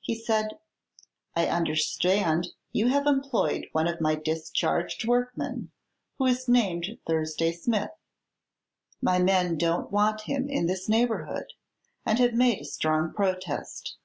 He said: "I understand you have employed one of my discharged workmen, who is named Thursday Smith. My men don't want him in this neighborhood, and have made a strong protest.